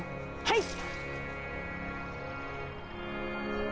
はい！